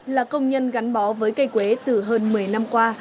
là công nhân gắn bó với cây quế từ hơn một mươi năm qua